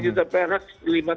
lima juta perak lima juta perak